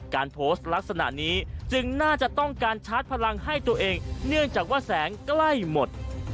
การโพสต์ลักษณะนี้จึงน่าจะต้องการชาร์จพลังให้ตัวเองเนื่องจากว่าแสงใกล้หมด